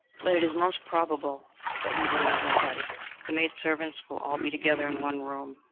But it is most probable that you will meet nobody. The maidservants will all be together in one room.